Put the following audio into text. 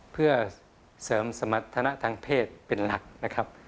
เพื่อเสริมสมรรถนะทางเพศเป็นหลักนะครับ